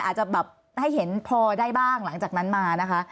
อาจจะแบบให้เห็นพอได้บ้างหลังจากนั้นมานะคะ